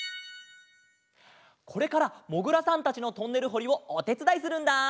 これからもぐらさんたちのトンネルほりをおてつだいするんだ！